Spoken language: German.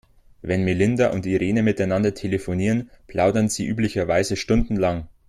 Wenn Melinda und Irene miteinander telefonieren, plaudern sie üblicherweise stundenlang.